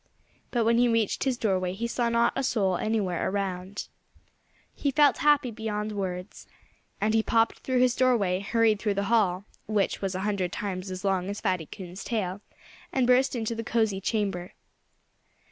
But when he reached his doorway he saw not a soul anywhere around. He felt happy beyond words. And he popped through his doorway, hurried through the hall which was a hundred times as long as Fatty Coon's tail and burst into the cozy chamber.